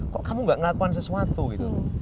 kok kamu nggak ngelakuan sesuatu gitu